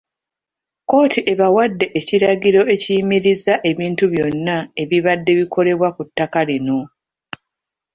Kkooti ebawadde ekiragiro ekiyimiriza ebintu byonna ebibadde bikolebwa ku ttaka lino